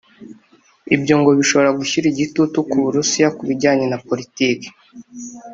Ibyo ngo bishobora gushyira igitutu k’u Burusiya ku bijyanye na politiki